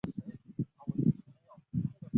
玉川站千日前线的铁路车站。